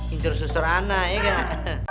incer incer anak ya kan